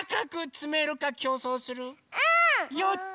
やった！